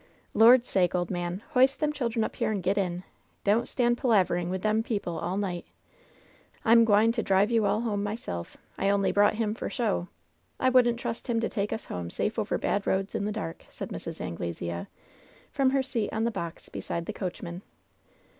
"Lord^s sake, ole man, hoist them >»hildren up here and get in 1 Don't stand palavering with them people all night ! I'm gwine to drive you all home myself. I only brought him for show! I wouldn't trust him to take us home safe over bad roads in the dark," said Mrs. Anglesea, from her seat on the box beside the coachman.